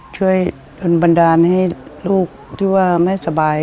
โดนบันดาลให้ลูกที่ว่าไม่สบาย